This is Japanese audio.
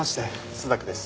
朱雀です。